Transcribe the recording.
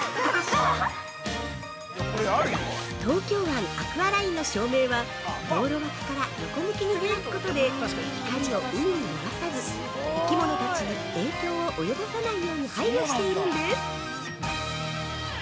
◆東京湾アクアラインの照明は道路わきから横向きに照らすことで光を海に漏らさず生物たちに影響を及ぼさないように配慮しているんです